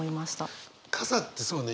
傘ってそうね